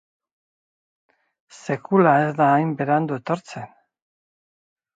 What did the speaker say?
Sekula ez da hain berandu etortzen.